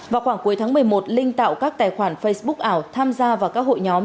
vào khoảng cuối tháng một mươi một linh tạo các tài khoản facebook ảo tham gia vào các hội nhóm